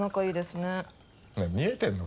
ねえ見えてんの？